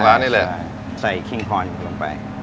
ร้านนี่เลยใช่ใส่ครีงคอร์นลงไป